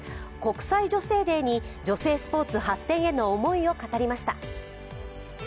国際女性デーに女性スポーツ発展への思いを語りました。